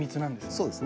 そうですね。